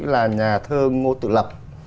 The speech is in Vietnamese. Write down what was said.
là nhà thơ ngô tự lập